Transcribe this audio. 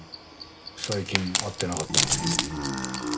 最近会ってなかったのに？